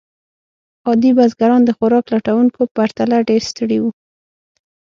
عادي بزګران د خوراک لټونکو پرتله ډېر ستړي وو.